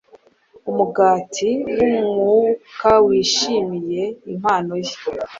Umugati wumwukawishimiye impano ye